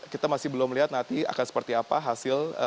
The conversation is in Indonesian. kita masih belum lihat nanti akan seperti apa hasil